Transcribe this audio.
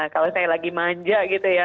kalau saya lagi manja gitu ya